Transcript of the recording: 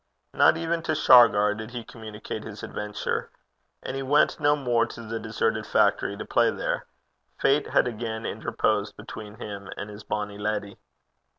Not even to Shargar did he communicate his adventure. And he went no more to the deserted factory to play there. Fate had again interposed between him and his bonny leddy.